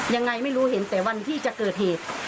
ยังไงไม่รู้เห็นแต่วันที่จะเกิดเหตุ